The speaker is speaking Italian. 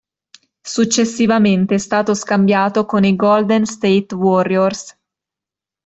Successivamente è stato scambiato con i Golden State Warriors.